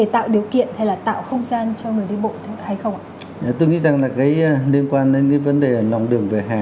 tôi nghĩ rằng liên quan đến vấn đề lòng đường vỉa hè